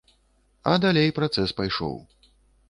А далей працэс пайшоў.